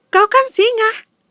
kau kan singa